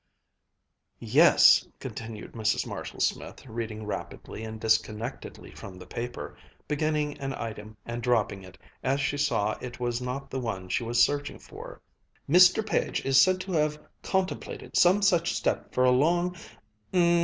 "Yes," continued Mrs. Marshall Smith, reading rapidly and disconnectedly from the paper, beginning an item and dropping it, as she saw it was not the one she was searching for, "'Mr. Page is said to have contemplated some such step for a long